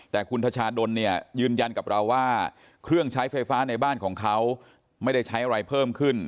แต่คุณทชาดลเนี่ยยืนยันกับเราว่าเครื่องใช้ไฟฟ้าในบ้านของเขาไม่ได้ใช้อะไรเพิ่มขึ้น